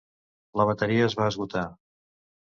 La bateria es va esgotar.